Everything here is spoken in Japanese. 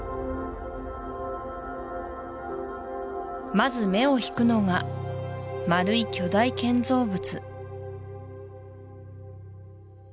まず目を引くのが丸い巨大建造物